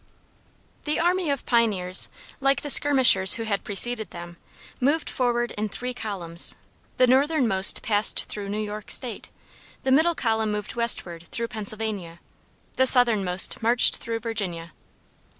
The army of pioneers, like the skirmishers who had preceded them, moved forward in three columns; the northernmost passed through New York State; the middle column moved westward through Pennsylvania; the southernmost marched through Virginia.